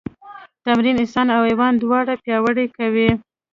تمرین انسان او حیوان دواړه پیاوړي کوي.